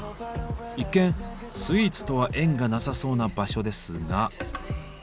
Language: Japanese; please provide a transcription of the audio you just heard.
一見スイーツとは縁がなさそうな場所ですが。